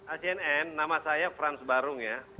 acnn nama saya frances baru